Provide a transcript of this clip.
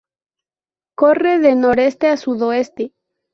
Corre de noreste a sudoeste.